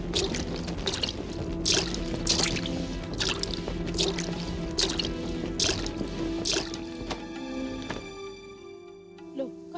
loh kak iseng tau